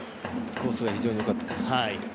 コースが非常によかったです。